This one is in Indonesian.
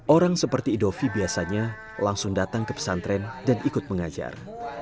orang seperti idovi biasanya langsung datang ke pesantren dan ikut mengajar